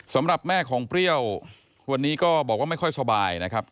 สำหรับแม่ของเปรี้ยววันนี้ก็บอกว่าไม่ค่อยสบายนะครับ